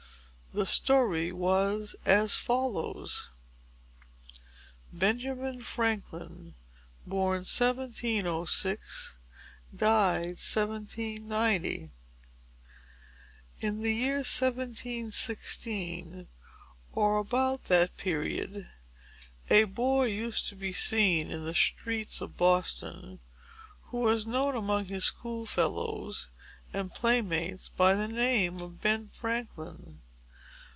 The story was as follows:— BENJAMIN FRANKLIN BORN 1706. DIED 1790. In the year 1716, or about that period, a boy used to be seen in the streets of Boston, who was known among his schoolfellows and playmates by the name of Ben Franklin.